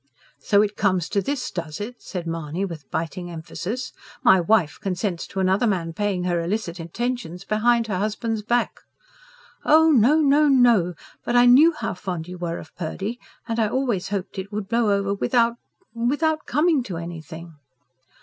"So it comes to this, does it?" said Mahony with biting emphasis. "My wife consents to another man paying her illicit attentions behind her husband's back!" "Oh, no, no, no! But I knew how fond you were of Purdy. And I always hoped it would blow over without ... without coming to anything."